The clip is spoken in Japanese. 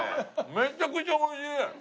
めちゃくちゃおいしい！